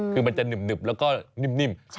คือมันจะหนึบแล้วก็นิ่ม